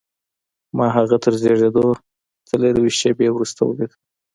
ما هغه تر زېږېدو څلرویشت شېبې وروسته ولید